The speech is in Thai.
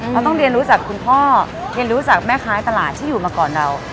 เราต้องเรียนรู้จากคุณพ่อเรียนรู้จากแม่ค้าตลาดที่อยู่มาก่อนเรา